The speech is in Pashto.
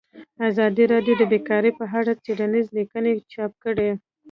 ازادي راډیو د بیکاري په اړه څېړنیزې لیکنې چاپ کړي.